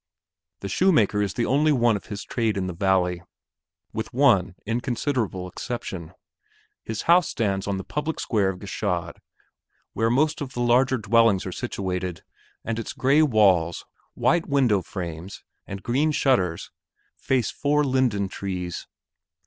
The shoemaker is the only one of his trade in the valley with one inconsiderable exception. His house stands on the public square of Gschaid where most of the larger dwellings are situated and its gray walls, white window frames, and green shutters face the four linden trees.